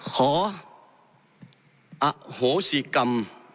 ขออโหสิกรรม